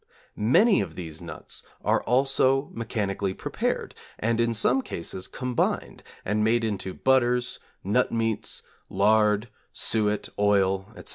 Many of these nuts are also mechanically prepared, and in some cases combined, and made into butters, nut meats, lard, suet, oil, etc.